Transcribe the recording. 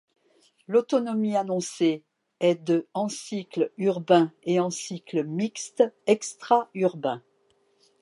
L'autonomie annoncée est de en cycle urbain et en cycle mixte extra-urbain.